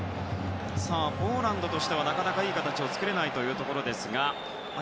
ポーランドとしては、なかなかいい形を作れないところです。